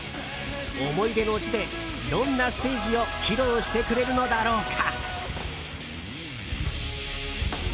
思い出の地で、どんなステージを披露してくれるのだろうか。